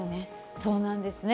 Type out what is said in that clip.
そうなんですね。